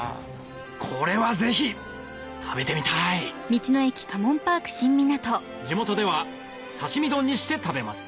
これはぜひ食べてみたい地元では刺し身丼にして食べます